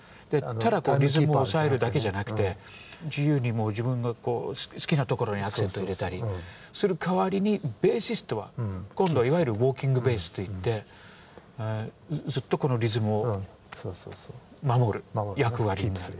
ただリズムを押さえるだけじゃなくて自由に自分がこう好きなところにアクセント入れたりする代わりにベーシストは今度はいわゆるウォーキングベースといってずっとこのリズムを守る役割になる。